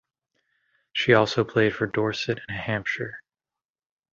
She also played for Dorset and Hampshire.